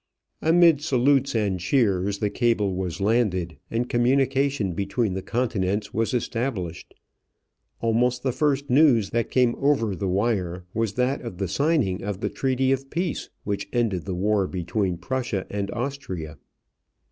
Amid salutes and cheers the cable was landed and communication between the continents was established. Almost the first news that came over the wire was that of the signing of the treaty of peace which ended the war between Prussia and Austria.